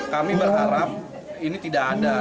kami berharap ini tidak ada